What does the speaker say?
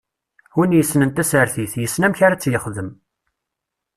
Win yessnen tasertit, yessen amek ara tt-yexdem.